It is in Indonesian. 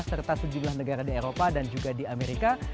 serta sejumlah negara di eropa dan juga di amerika